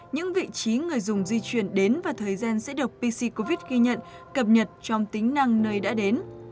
những vị trí người dùng di chuyển đến và thời gian sẽ được pc covid ghi nhận cập nhật trong tính năng nơi đã đến